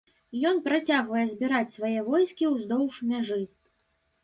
Ён працягвае збіраць свае войскі ўздоўж мяжы.